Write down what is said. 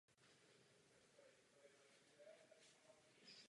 Metropolí bylo město Stuttgart.